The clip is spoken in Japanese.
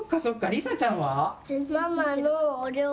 りさちゃんは？